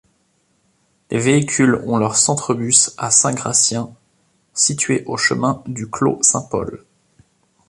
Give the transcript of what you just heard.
Les véhicules ont leur centre-bus à Saint-Gratien, situé au chemin du Clos Saint-Paul.